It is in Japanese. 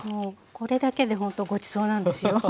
これだけでほんとごちそうなんですよ。